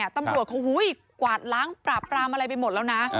ตำรวจเขากวาดล้างปราบปรามอะไรไปหมดแล้วนะ